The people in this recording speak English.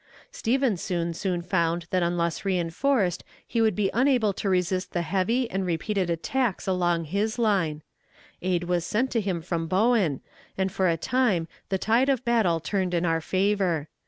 Stevenson soon found that unless reënforced he would be unable to resist the heavy and repeated attacks along his line. Aid was sent to him from Bowen, and for a time the tide of battle turned in our favor.